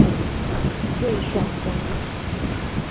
瑞雙公路